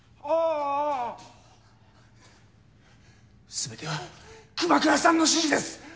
すべては熊倉さんの指示です。